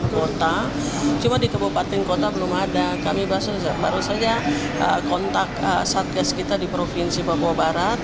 kami berkontak dengan satgas di provinsi papua barat